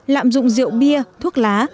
lạm dụng rượu bia thuốc lá